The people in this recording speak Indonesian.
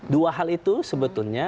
dua hal itu sebetulnya